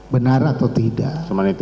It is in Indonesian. benar atau tidak